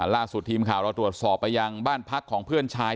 ล่าสุดทีมข่าวเราตรวจสอบไปยังบ้านพักของเพื่อนชาย